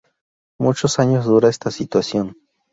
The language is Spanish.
Muchos años dura esta situación.